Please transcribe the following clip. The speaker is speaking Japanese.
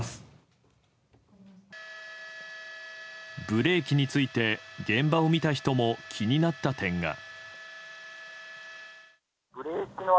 ブレーキについて現場を見た人も、気になった点が。